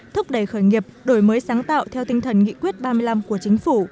thúc đẩy khởi nghiệp đổi mới sáng tạo theo tinh thần nghị quyết ba mươi năm của chính phủ